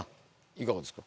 いかがですか？